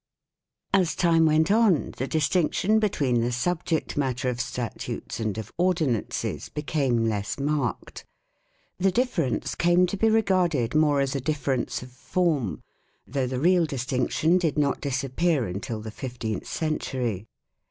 As time went on, the distinction between the sub ject matter of statutes and of ordinances became less marked. The difference came to be regarded more as a difference of form, though the real distinction did not disappear until the fifteenth century.